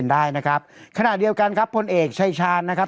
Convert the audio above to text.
ได้นะครับขณะเดียวกันครับพลเอกชายชาญนะครับ